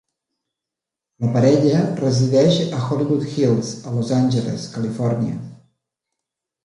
La parella resideix a Hollywood Hills a Los Angeles, Califòrnia.